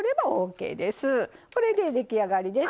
これで出来上がりです。